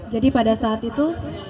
jadi pada saat itu